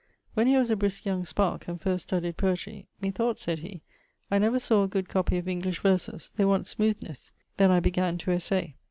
When he was a brisque young sparke, and first studyed poetry, 'Methought,' said he, 'I never sawe a good copie of English verses; they want smoothnes; then I began to essay.'